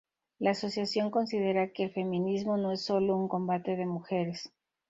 La asociación considera que "el feminismo no es sólo un combate de mujeres.